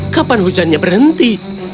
kapan hujannya berhenti